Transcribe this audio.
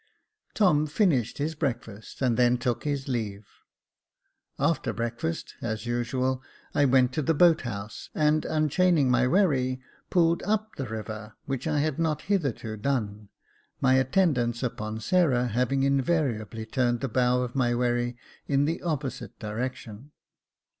Tom finished his breakfast, and then took his leave. After breakfast, as usual, I went to the boat house, and unchaining my wherry, pulled up the river, which I had not hitherto done ; my attendance upon Sarah having invariably turned the bow of my wherry in the opposite direction.